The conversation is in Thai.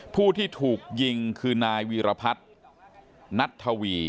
ผู้ที่ถูกยิงคือนายวีรพัฒน์นัททวี